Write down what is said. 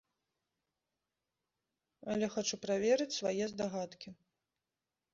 Але хачу праверыць свае здагадкі.